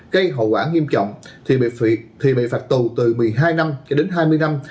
gây hậu quả nghiêm trọng thì bị phạt tù từ một mươi hai năm cho đến hai mươi năm